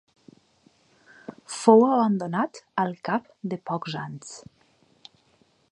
Fou abandonat al cap de pocs anys.